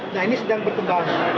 nah ini sedang berkembang